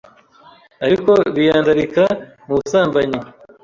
ariko biyandarika mu busambanyi,